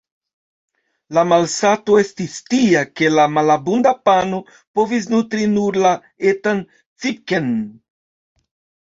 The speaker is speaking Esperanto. La malsato estis tia ke la malabunda pano povis nutri nur la etan Cipke-n.